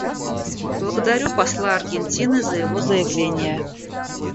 Благодарю посла Аргентины за его заявление.